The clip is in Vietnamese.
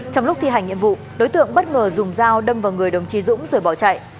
trong lúc thi hành nhiệm vụ đối tượng bất ngờ dùng dao đâm vào người đồng chí dũng rồi bỏ chạy